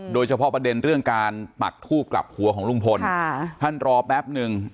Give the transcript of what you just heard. โดยเฉพาะประเด็นเรื่องการปักทูบกลับหัวของลุงพลท่านรอแป๊บนึง